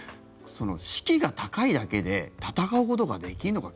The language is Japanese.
士気が高いだけで戦うことができるのか。